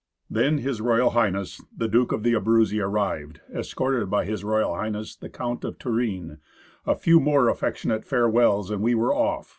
Then His Royal Highness, the Duke of the Abruzzi arrived, escorted by H.R. H. the Count of Turin. A few more affectionate farewells, and we were off.